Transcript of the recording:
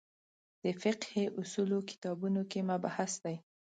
د فقهې اصولو کتابونو کې مبحث دی.